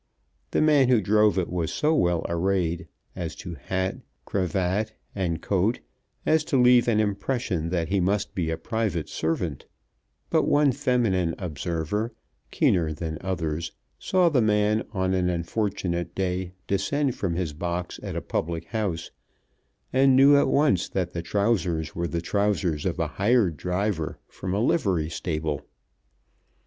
The man who drove it was so well arrayed as to hat, cravat, and coat, as to leave an impression that he must be a private servant; but one feminine observer, keener than others, saw the man on an unfortunate day descend from his box at a public house, and knew at once that the trousers were the trousers of a hired driver from a livery stable.